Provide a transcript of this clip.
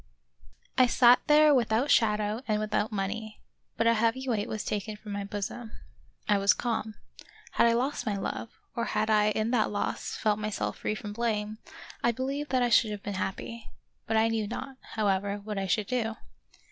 I SAT there without shadow and without money, but a heavy weight was taken from my bosom. I was calm. Had I lost my love, or had I in that loss felt myself free from blame, I believe that I should have been happy ; but I knew not, however, what I should do.